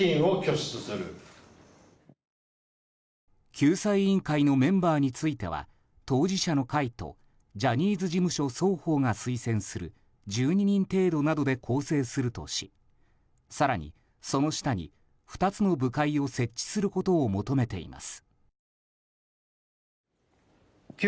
救済委員会のメンバーについては当事者の会とジャニーズ事務所双方が推薦する１２人程度などで構成するとし更に、その下に２つの部会を設置することを求めています。